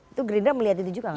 itu gerindra melihat itu juga nggak